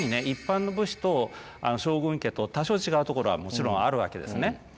一般の武士と将軍家と多少違うところはもちろんあるわけですね。